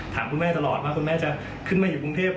คุณแม่ตลอดว่าคุณแม่จะขึ้นมาอยู่กรุงเทพ